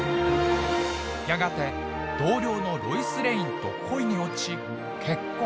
やがて同僚のロイス・レインと恋に落ち結婚。